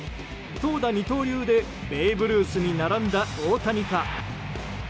投打二刀流でベーブ・ルースに並んだ大谷か。